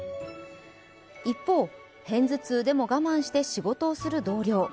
一方、偏頭痛でも我慢して仕事をする同僚。